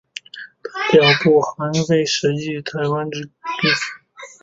本表不含未实际统治之台湾地区。